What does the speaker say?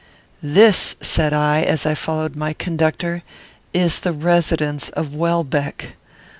"This," said I, as I followed my conductor, "is the residence of Welbeck.